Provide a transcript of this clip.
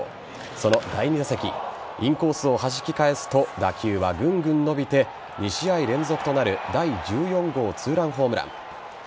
その第２打席インコースをはじき返すと打球はぐんぐん伸びて２試合連続となる第１４号２ランホームラン。